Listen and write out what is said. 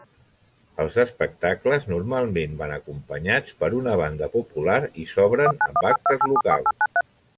Els espectacles normalment van acompanyats per una banda popular i s'obren amb actes locals.